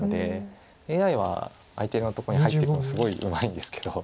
ＡＩは相手のとこに入っていくのすごいうまいんですけど。